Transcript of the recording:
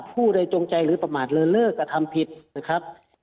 ผู้ใดจงใจหรือประมาทเลินเลิกกระทำผิดนะครับ